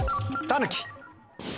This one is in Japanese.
タヌキ。